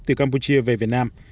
từ campuchia về việt nam